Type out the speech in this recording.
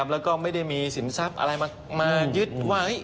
แล้วก็ไม่ได้มีสินทรัพย์อะไรมายึดว่า